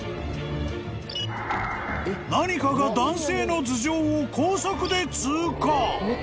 ［何かが男性の頭上を高速で通過］